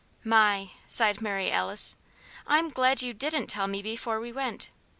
"My!" sighed Mary Alice, "I'm glad you didn't tell me before we went.